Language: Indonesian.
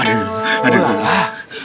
aduh aduh aduh